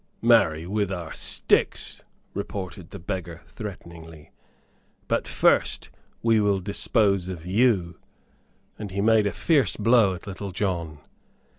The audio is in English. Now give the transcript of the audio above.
"Marry, with our sticks," retorted the beggar, threateningly. "But first we will dispose of you;" and he made a fierce blow at Little John.